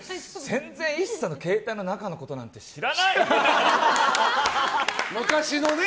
全然、ＩＳＳＡの携帯の中のことなんか知らない！